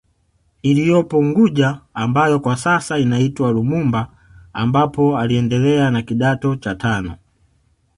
Iliyopo unguja ambayo kwa sasa inaitwa Lumumba ambapo aliendelea na kidato cha tano